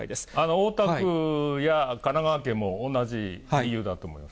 大田区や神奈川県も同じ理由だと思います。